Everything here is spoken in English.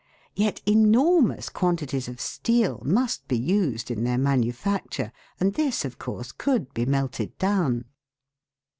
Yet enormous quantities of steel must be used in their manufacture, and this, of course, could be melted down.